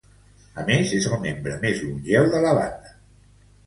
A més, és el membre més longeu de la banda.